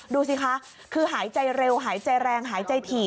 ดูสิคะคือหายใจเร็วหายใจแรงหายใจถี่